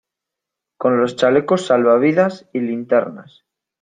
con los chalecos salva -- vidas y linternas.